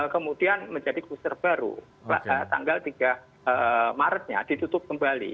kemudian menjadi booster baru tanggal tiga maretnya ditutup kembali